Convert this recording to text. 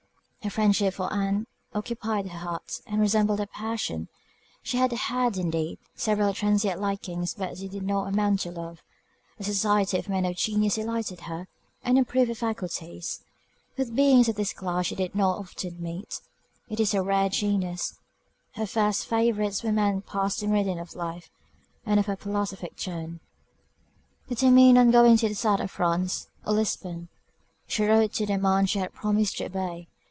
Her friendship for Ann occupied her heart, and resembled a passion. She had had, indeed, several transient likings; but they did not amount to love. The society of men of genius delighted her, and improved her faculties. With beings of this class she did not often meet; it is a rare genus; her first favourites were men past the meridian of life, and of a philosophic turn. Determined on going to the South of France, or Lisbon; she wrote to the man she had promised to obey.